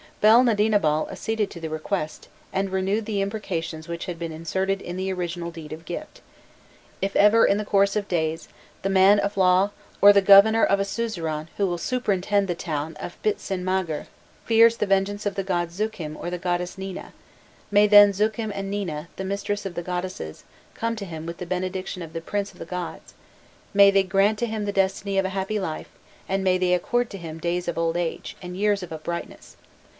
Belnadinabal acceded to the request, and renewed the imprecations which had been inserted on the original deed of gift: "If ever, in the course of days, the man of law, or the governor of a suzerain who will superintend the town of Bitsinmagir, fears the vengeance of the god Zikum or the goddess Nina, may then Zikum and Nina, the mistress of the goddesses, come to him with the benediction of the prince of the gods; may they grant to him the destiny of a happy life, and may they accord to him days of old age, and years of uprightness!